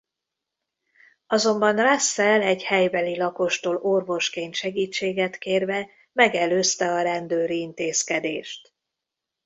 Azonban Russell egy helybeli lakostól orvosként segítséget kérve megelőzte a rendőri intézkedést.